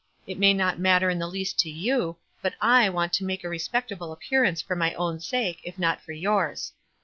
It may not matter in the least to you ; but I want to make a respec table appearance for my own sake, if not for yours."